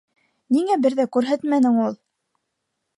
Ниңә бер ҙә күрһәтмәнең ул?